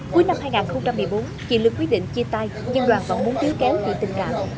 cuối năm hai nghìn một mươi bốn chị lương quyết định chia tay nhưng đoàn vẫn muốn tứ kéo về tình cảm